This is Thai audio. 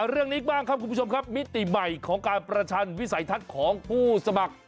เรื่องนี้บ้างครับคุณผู้ชมครับมิติใหม่ของการประชันวิสัยทัศน์ของผู้สมัคร